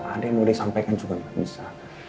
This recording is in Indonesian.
ada yang mau disampaikan juga nggak bisa